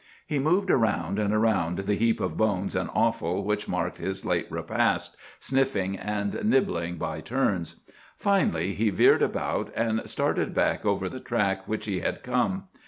He moved around and around the heap of bones and offal which marked his late repast, sniffing and nibbling by turns. Finally he veered about and started back over the track which he had come.